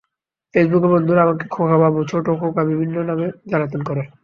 ফেসবুকে বন্ধুরা আমাকে খোকা বাবু, ছোট্ট খোকা বিভিন্ন নামে জ্বালাতন করে।